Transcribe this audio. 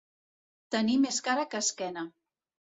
Tenir més cara que esquena.